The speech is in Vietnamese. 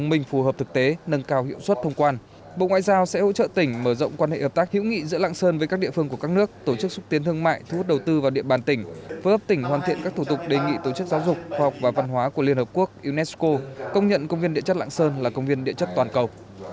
bộ ngoại giao sẽ hỗ trợ tỉnh mở rộng quan hệ hợp tác hữu nghị giữa lạng sơn với các địa phương của các nước tổ chức xúc tiến thương mại thu hút đầu tư vào địa bàn tỉnh phối hợp tỉnh hoàn thiện các thủ tục đề nghị tổ chức giáo dục khoa học và văn hóa của liên hợp quốc unesco công nhận công viên địa chất lạng sơn là công viên địa chất toàn cầu